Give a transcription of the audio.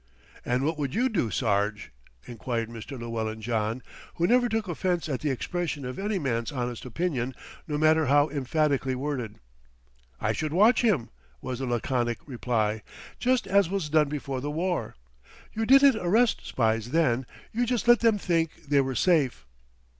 "And what would you do, Sage?" inquired Mr. Llewellyn John, who never took offence at the expression of any man's honest opinion, no matter how emphatically worded. "I should watch him," was the laconic reply. "Just as was done before the war. You didn't arrest spies then, you just let them think they were safe."